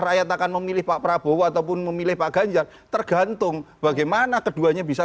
rakyat akan memilih pak prabowo ataupun memilih pak ganjar tergantung bagaimana keduanya bisa